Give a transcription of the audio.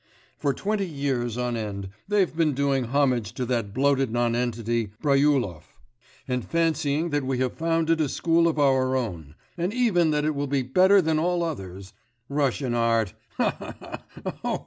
For twenty years on end they've been doing homage to that bloated nonentity Bryullov, and fancying that we have founded a school of our own, and even that it will be better than all others.... Russian art, ha, ha, ha!